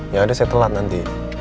yang ada saya telat nanti